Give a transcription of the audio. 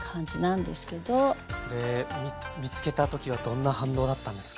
それ見つけた時はどんな反応だったんですか？